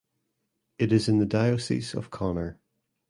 It is in the Diocese of Connor.